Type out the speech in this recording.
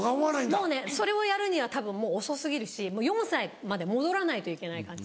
もうねそれをやるにはたぶんもう遅過ぎるし４歳まで戻らないといけない感じ。